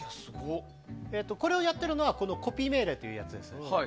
これをやっているのは「ＣＯＰＹ」命令というやつです。